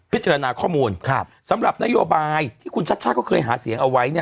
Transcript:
พิจารณาข้อมูลสำหรับนโยบายที่คุณชัชช่าก็เคยหาเสียงเอาไว้